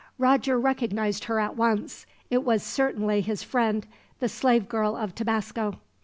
Roger recognized her at once it was certainly his friend, the slave girl of Tabasco.